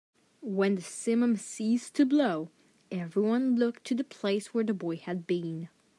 When the simum ceased to blow, everyone looked to the place where the boy had been.